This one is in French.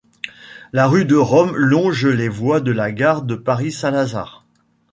La rue de Rome longe les voies de la gare de Paris-Saint-Lazare.